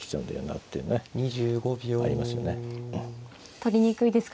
取りにくいですか